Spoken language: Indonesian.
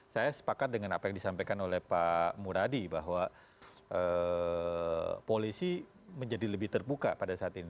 saya sepakat dengan apa yang disampaikan oleh pak muradi bahwa polisi menjadi lebih terbuka pada saat ini